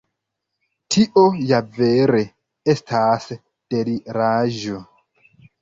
Tio ja vere estas deliraĵo.